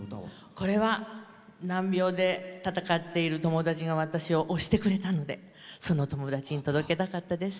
これは、難病で闘っている友達が私を押してくれたのでその友達に届けたかったです。